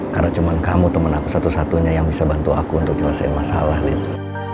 karena cuma kamu temen aku satu satunya yang bisa bantu aku untuk nyelesain masalah ini